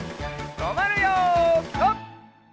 とまるよピタ！